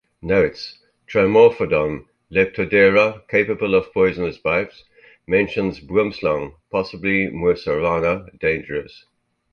Notes: "Trimorphodon", "Leptodeira" capable of poisonous bites; mentions boomslang, possibly mussurana, dangerous.